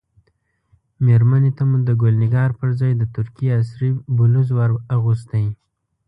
مېرمنې ته مو د ګل نګار پر ځای د ترکیې عصري بلوز ور اغوستی.